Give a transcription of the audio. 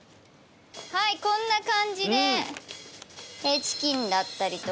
はいこんな感じでチキンだったりとか。